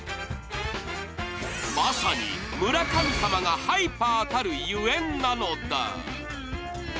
まさに村神様がハイパーたるゆえんなのだ。